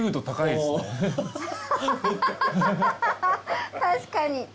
確かに。